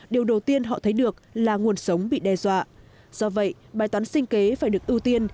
điều đầu tiên họ thấy được là nguồn sống bị đe dọa do vậy bài toán sinh kế phải được ưu tiên